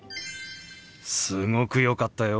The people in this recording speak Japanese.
すごく良かったよ。